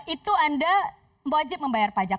itu anda wajib membayar pajak